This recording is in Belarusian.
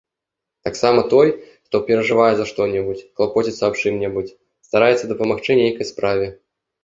Таксама той, хто перажывае за што-небудзь, клапоціцца аб чым-небудзь, стараецца дапамагчы нейкай справе.